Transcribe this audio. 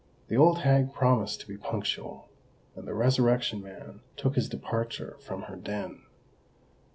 The old hag promised to be punctual; and the Resurrection Man took his departure from her den.